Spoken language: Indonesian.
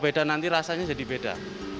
beda nanti rasanya jadi beda